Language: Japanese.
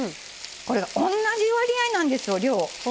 おんなじ割合なんですよ、量。